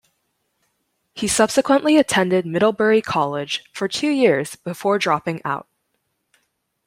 He subsequently attended Middlebury College for two years before dropping out.